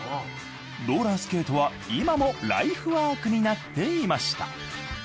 ローラースケートは今もライフワークになっていました。